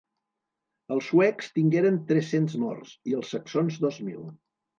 Els suecs tingueren tres-cents morts, i els saxons dos mil.